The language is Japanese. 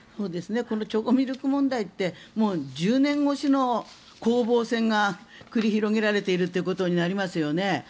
このチョコミルク問題って１０年越しの攻防戦が繰り広げられているということになりますよね。